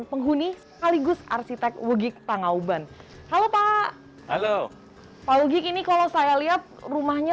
penghuni sekaligus arsitek wgik pangauban halo pak halo pak wgik ini kalau saya lihat rumahnya